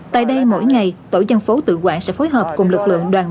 tại đây mỗi ngày tổ dân phố tự quản sẽ phối hợp cùng lực lượng đoàn